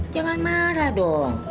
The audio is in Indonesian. jangan marah dong